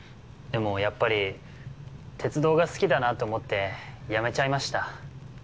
でもやっぱり鉄道が好きだなと思って辞めちゃいました。